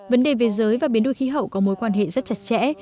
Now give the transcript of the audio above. vấn đề về giới và biến đổi khí hậu có mối quan hệ rất chặt chẽ